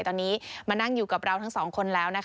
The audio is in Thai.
ตอนนี้มานั่งอยู่กับเราทั้งสองคนแล้วนะคะ